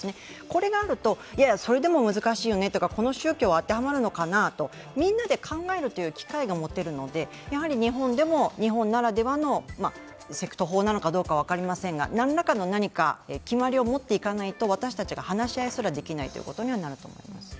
これがあると、それでも難しいよねとか、この宗教は当てはまるのかなとかみんなで考えるという機会が持てるので、日本でも、日本ならではの、セクト法なのか分かりませんが、何らかの何か決まりを持っていかないと私たちが話し合いすらできないということにはなると思います。